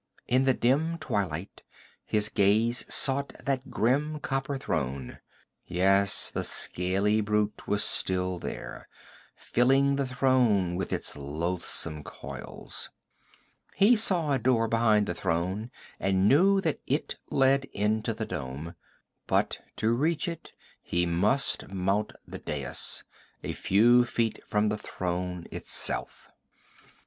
In the dim twilight his gaze sought that grim copper throne; yes, the scaly brute was still there, filling the throne with its loathsome coils. He saw a door behind the throne and knew that it led into the dome. But to reach it he must mount the dais, a few feet from the throne itself.